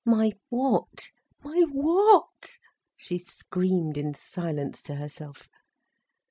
"My what—my what—?" she screamed in silence to herself.